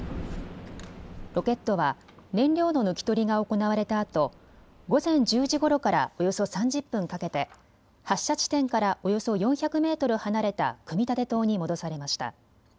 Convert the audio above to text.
ロケットは燃料の抜き取りが行われたあと午前１０時ごろからおよそ３０分かけて発射地点からおよそ４００メートル離れた組み立て棟に戻されました。